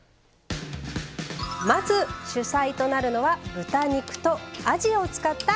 まず主菜となるのは豚肉とあじを使ったおかず。